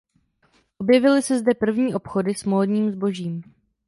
Objevily se zde první obchody s módním zbožím.